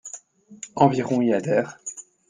Environ y adhèrent.